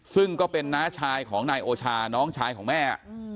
ซึ่งก็เป็นน้าชายของนายโอชาน้องชายของแม่